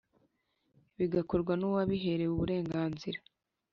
bigakorwa n’ uwabiherewe uburenganzira